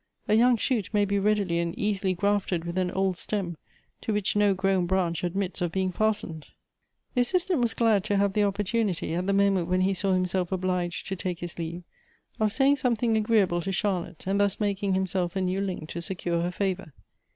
A young shoot may be readily and easily grafted with an old stem, to which no grown branch admits of being fastened. The Assistant was glad to have the opportunity, at the moment when he saw himself obliged to take his leave, of saying something agreeable to Charlotte, and thus making himself a new link to secure her favor.